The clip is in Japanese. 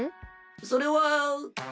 それは。